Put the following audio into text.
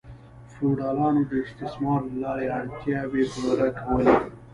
فیوډالانو د استثمار له لارې اړتیاوې پوره کولې.